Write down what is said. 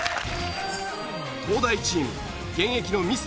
東大チーム現役のミス